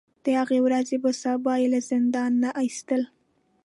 د هغې ورځې په سبا یې له زندان نه ایستل.